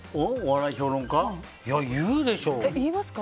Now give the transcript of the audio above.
いや、言うでしょ。